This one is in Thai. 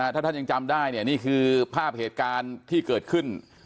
ถ้าท่านยังจำได้เนี่ยนี่คือภาพเหตุการณ์ที่เกิดขึ้น